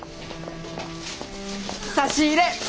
差し入れ！